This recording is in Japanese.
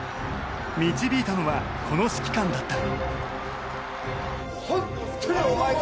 導いたのはこの指揮官だった。